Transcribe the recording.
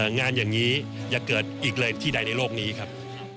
งานอย่างนี้อย่าเกิดอีกเลยที่ใดในโลกนี้ครับ